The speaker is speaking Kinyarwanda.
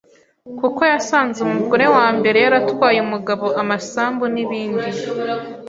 kuko yasanze umugore wa mbere yaratwaye umugabo amasambu n’ibindi